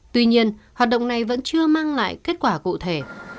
tuy nhiên hoạt động này vẫn chưa mang lại kết quả cụ thể